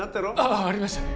ああありましたね